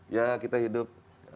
ya kita hidup